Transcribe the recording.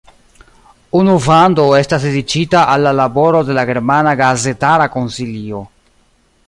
Unu vando estas dediĉita al la laboro de la Germana Gazetara Konsilio.